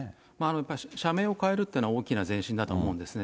やっぱり社名を変えるというのは大きな前進だと思うんですね。